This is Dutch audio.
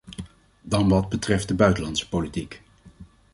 Dan wat betreft de buitenlandse politiek.